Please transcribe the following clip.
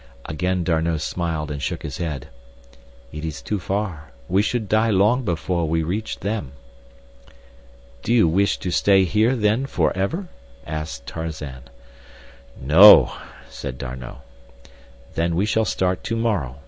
Again D'Arnot smiled and shook his head. "It is too far. We should die long before we reached them." "Do you wish to stay here then forever?" asked Tarzan. "No," said D'Arnot. "Then we shall start to morrow.